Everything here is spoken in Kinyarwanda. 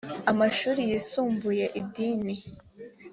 amashuri yisumbuye idini